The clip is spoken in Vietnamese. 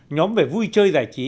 bảy nhóm về vui chơi giải trí